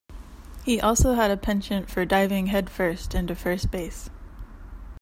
He also had a penchant for diving headfirst into first base.